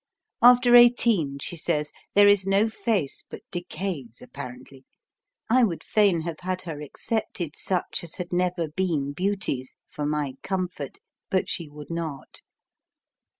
After eighteen, she says, there is no face but decays apparently; I would fain have had her excepted such as had never been beauties, for my comfort, but she would not.